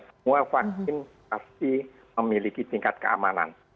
semua vaksin pasti memiliki tingkat keamanan